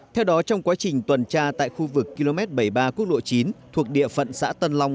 theo đó trong quá trình tuần tra tại khu vực km bảy mươi ba quốc lộ chín thuộc địa phận xã tân long